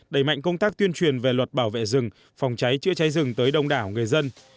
đẩy mạnh công tác tuyên truyền về luật bảo vệ rừng phòng cháy chữa cháy rừng tới đông đảo người dân